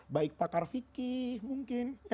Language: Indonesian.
baik pakar fikih mungkin